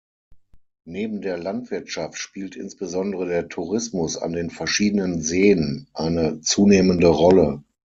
Neben der Landwirtschaft spielt insbesondere der Tourismus an den verschiedenen Seen eine zunehmende Rolle.